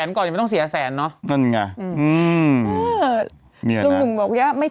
เอิ่อตอนนี้นะ